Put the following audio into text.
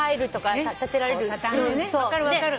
分かる分かる。